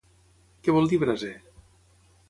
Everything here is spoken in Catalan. Què vol dir braser?